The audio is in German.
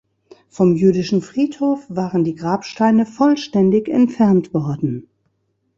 Vom jüdischen Friedhof waren die Grabsteine vollständig entfernt worden.